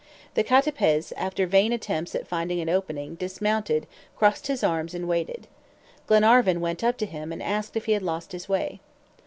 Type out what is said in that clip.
The CATAPEZ, after vain attempts at finding an opening, dismounted, crossed his arms, and waited. Glenarvan went up to him and asked if he had lost his way.